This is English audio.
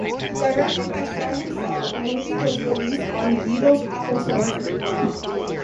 Directed by Starr himself, the movie was released on The Beatles' Apple Films label.